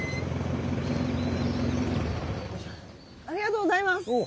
ありがとうございます。